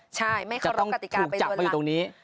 ใช่ไม่เคารพกติกาไปล้วนลางจะต้องถูกจับไปอยู่ตรงนี้